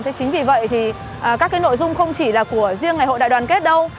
thế chính vì vậy thì các cái nội dung không chỉ là của riêng ngày hội đại đoàn kết đâu